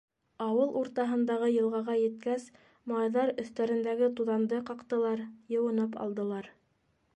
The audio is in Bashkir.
Ауыл уртаһындағы йылғаға еткәс, малайҙар өҫтәрендәге туҙанды ҡаҡтылар, йыуынып алдылар.